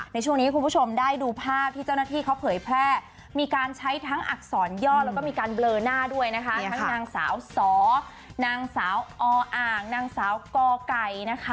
ในช่วงนี้คุณผู้ชมได้ดูภาพที่เจ้าหน้าที่เขาเผยแพร่มีการใช้ทั้งอักษรย่อแล้วก็มีการเบลอหน้าด้วยนะคะทั้งนางสาวสอนางสาวออ่างนางสาวกไก่นะคะ